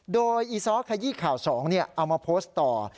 โดยอีซ้อขยี้ข่าว๒เอามาโพสต์ต่อ